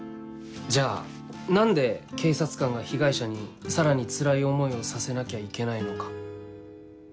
じゃあ何で警察官が被害者にさらにつらい思いをさせなきゃいけないのか。